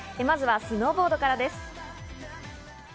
まずはスノーボードからです。